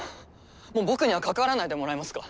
もう僕には関わらないでもらえますか？